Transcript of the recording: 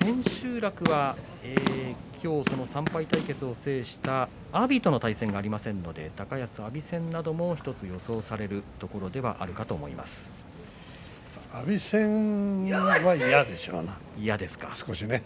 千秋楽は今日、その３敗対決を制した阿炎との対戦がありませんので高安、阿炎戦が１つ予想される阿炎戦は嫌でしょうね